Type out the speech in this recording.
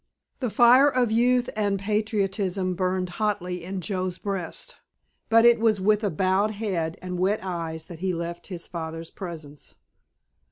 The fire of youth and patriotism burned hotly in Joe's breast, but it was with bowed head and wet eyes that he left his father's presence.